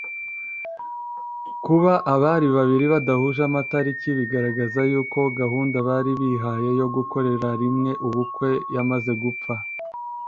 Kuba aba babiri badahuje amatariki bigaragaza yuko gahunda bari bihaye yo gukorera rimwe ubukwe yamaze gupfa